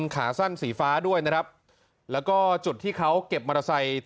ขาสั้นสีฟ้าด้วยนะครับแล้วก็จุดที่เขาเก็บมอเตอร์ไซค์